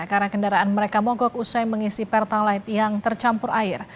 karena kendaraan mereka mogok usai mengisi pertalite yang tercampur air